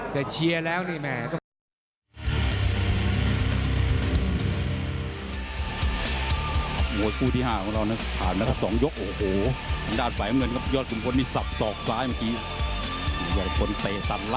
แต่เชียร์แล้วนี่แม่